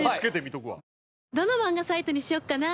どの漫画サイトにしようかな？